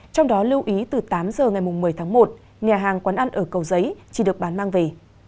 trong đó lưu ý từ tám giờ ngày một mươi tháng một nhà hàng quán ăn ở cầu giấy chỉ được bán mang về